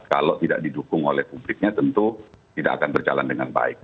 kalau tidak didukung oleh publiknya tentu tidak akan berjalan dengan baik